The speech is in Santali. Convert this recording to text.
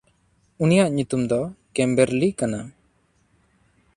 ᱩᱱᱤᱭᱟᱜ ᱧᱩᱛᱩᱢ ᱫᱚ ᱠᱮᱢᱵᱮᱨᱞᱤ ᱠᱟᱱᱟ᱾